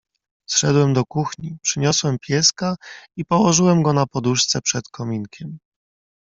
"Zszedłem do kuchni, przyniosłem pieska i położyłem go na poduszce przed kominkiem."